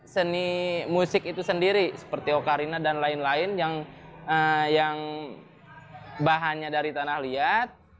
seni musik itu sendiri seperti ocarina dan lain lain yang bahannya dari tanah liat